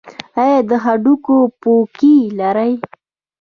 ایا د هډوکو پوکي لرئ؟